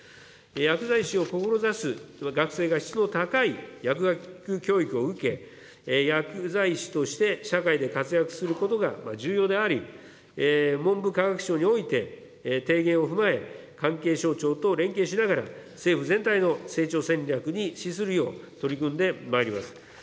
薬剤師を志す学生が質の高い薬学教育を受け、薬剤師として社会で活躍することが重要であり、文部科学省において提言を踏まえ、関係省庁と連携しながら、政府全体の成長戦略にしするよう取り組んでまいります。